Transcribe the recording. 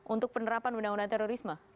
untuk penerapan undang undang terorisme